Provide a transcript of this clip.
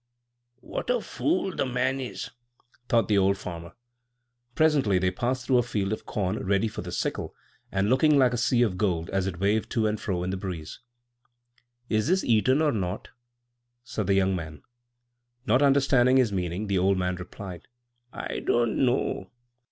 "What a fool the man is!" thought the old farmer. Presently they passed through a field of corn ready for the sickle, and looking like a sea of gold as it waved to and fro in the breeze. "Is this eaten or not?" said the young man. Not understanding his meaning, the old man replied, "I don't know."